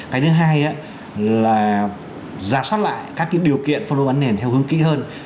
cái thứ hai là giả soát lại các cái điều kiện phân đồ bán nền theo hướng kỹ hơn